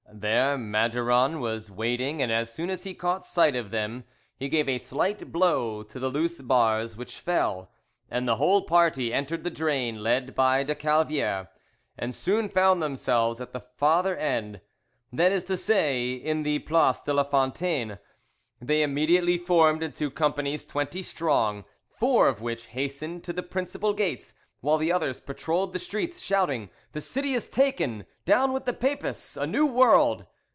There Maduron was waiting, and as soon as he caught sight of them he gave a slight blow to the loose bars; which fell, and the whole party entered the drain, led by de Calviere, and soon found themselves at the farther end—that is to say, in the Place de la Fontaine. They immediately formed into companies twenty strong, four of which hastened to the principal gates, while the others patrolled the streets shouting, "The city taken! Down with the Papists! A new world!"